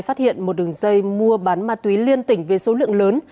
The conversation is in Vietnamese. phát hiện một đường dây mua bán ma túy liên tỉnh về số lượng lớn